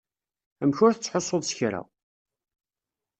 Amek ur tettḥussuḍ s kra?